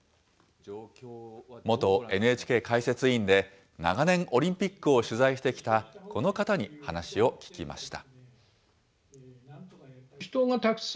元ＮＨＫ解説委員で、長年、オリンピックを取材してきたこの方に話を聞きました。